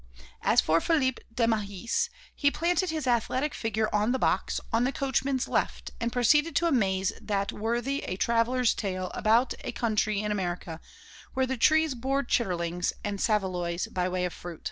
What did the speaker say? As for Philippe Desmahis, he planted his athletic figure on the box, on the coachman's left, and proceeded to amaze that worthy with a traveller's tale about a country in America where the trees bore chitterlings and saveloys by way of fruit.